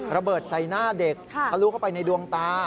ระเบิดใส่หน้าเด็กทะลุเข้าไปในดวงตา